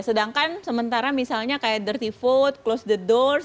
sedangkan sementara misalnya kayak dearty food close the doors